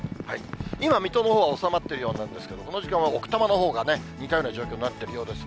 今、水戸のほうは収まっているようなんですけど、この時間は奥多摩のほうがね、似たような状況になってるようです。